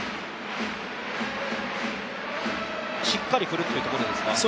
しっかり振るっていうところでですか？